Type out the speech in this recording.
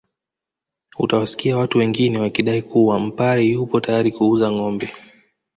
Utawasikia watu wengine wakidai kuwa Mpare yupo tayari kuuza ngombe